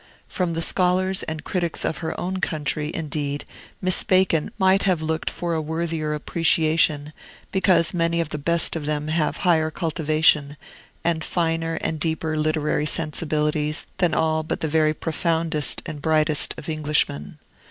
From the scholars and critics of her own country, indeed, Miss Bacon might have looked for a worthier appreciation, because many of the best of them have higher cultivation, and finer and deeper literary sensibilities than all but the very profoundest and brightest of Englishmen.